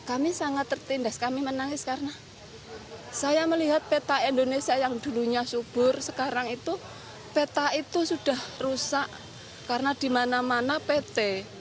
kami sangat tertindas kami menangis karena saya melihat peta indonesia yang dulunya subur sekarang itu peta itu sudah rusak karena di mana mana pt